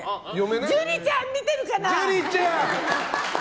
樹里ちゃん、見てるかな？